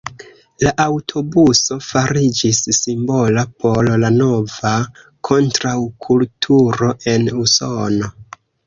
La aŭtobuso fariĝis simbola por la nova kontraŭkulturo en Usono.